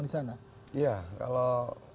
di sana ya kalau